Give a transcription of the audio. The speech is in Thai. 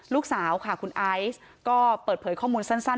ลูกสาวค่ะคุณไอซ์ก็เปิดเผยข้อมูลสั้น